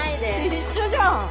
一緒じゃん。